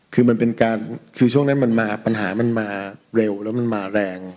คือมันเป็นการคือช่วงนั้นมันมาปัญหามันมาเร็วแล้วมันมาแรง